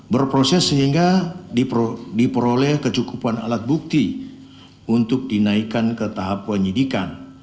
berproses sehingga diperoleh kecukupan alat bukti untuk dinaikkan ke tahap penyidikan